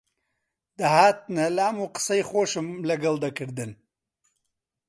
دەهاتنە لام و قسەی خۆشم لەگەڵ دەکردن